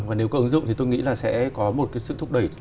và nếu có ứng dụng thì tôi nghĩ là sẽ có một cái sự thúc đẩy